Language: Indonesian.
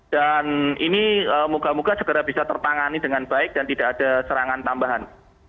dan ini moga moga segera bisa tertangani dengan baik dan tidak ada serangan tambahan